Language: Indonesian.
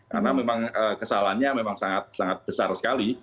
karena memang kesalahannya memang sangat besar sekali